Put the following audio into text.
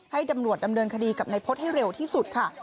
ให้ตำรวจดำเนินคดีกับนายพฤษให้เร็วที่สุดค่ะ